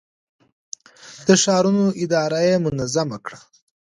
د ښارونو اداره يې منظم کړه.